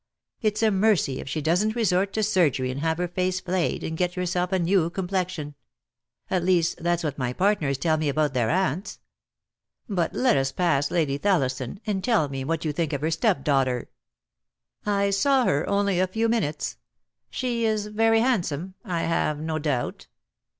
It's a mercy if she doesn't resort to surgery and have her face flayed and get herself a new complexion. At least that's what my partners tell me about their aunts. But let us pass Lady Thelliston, and tell me what you think of her stepdaughter." "I saw her only for a few minutes. She is very handsome, I have no doubt."